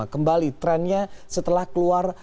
kembali trennya setelah keluar